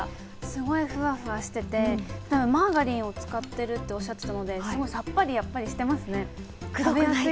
すごいふわふわしてて、マーガリンを使ってるっておっしゃったので、やっぱりさっぱりしてますね。